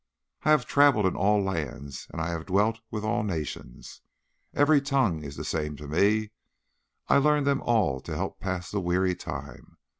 "I have travelled in all lands and I have dwelt with all nations. Every tongue is the same to me. I learned them all to help pass the weary time.